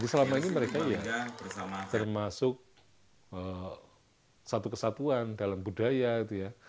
jadi selama ini mereka ya termasuk satu kesatuan dalam budaya gitu ya